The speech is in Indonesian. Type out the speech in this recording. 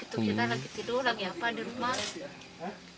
itu kita lagi tidur lagi apa di rumah